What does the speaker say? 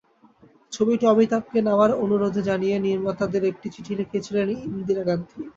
ছবিটিতে অমিতাভকে নেওয়ার অনুরোধ জানিয়ে নির্মাতাদের একটি চিঠি লিখেছিলেন ইন্দিরা গান্ধী।